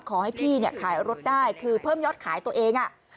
ขอให้พี่ขายรถได้คือเพิ่มยอดขายตัวเอง